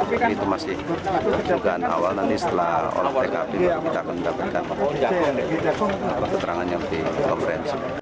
tapi itu masih perjugaan awal nanti setelah orang orang tkp kita akan mendapatkan keterangan yang dikonferensi